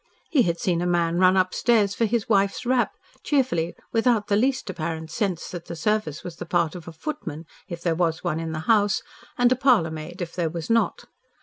He had seen a man run upstairs for his wife's wrap, cheerfully, without the least apparent sense that the service was the part of a footman if there was one in the house, a parlour maid if there was not.